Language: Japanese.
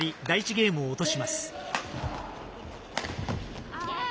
ゲームを落とします。